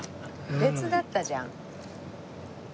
別だったじゃん。